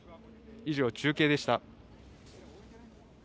以上、中継でした。